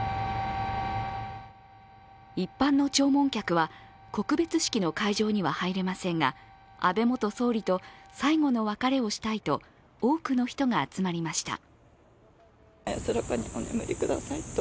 一般の弔問客は告別式の会場には入れませんが安倍元総理と、最後の別れをしたいと、多くの人が集まりました。